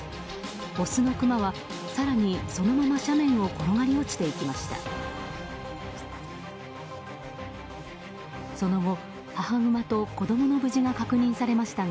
オスのクマは更に、そのまま斜面を転がり落ちていきました。